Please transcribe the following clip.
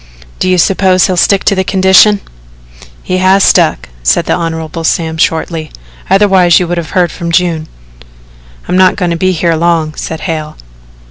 "Do you suppose he'll stick to the condition?" "He has stuck," said the Hon. Sam shortly; "otherwise you would have heard from June." "I'm not going to be here long," said Hale.